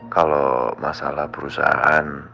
kalau masalah perusahaan